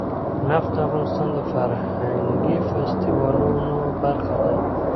نفت د افغانستان د فرهنګي فستیوالونو برخه ده.